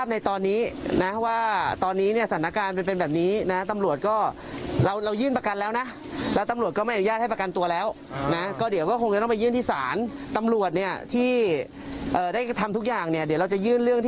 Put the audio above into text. เชื่อยื่นกับท่านศิละเจียนจาคาอีกทีหนึ่ง